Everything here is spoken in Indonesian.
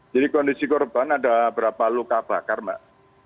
jadi kondisi korban ada berapa luka bakar mbak